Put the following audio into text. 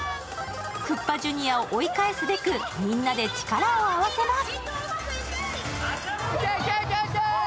クッパジュニアを追い返すべくみんなで力を合わせます。